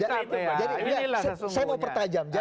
saya mau pertajam